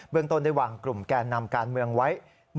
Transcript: เบื้องต้นได้วางกลุ่มแกนนำการเมืองไว้๑๑๐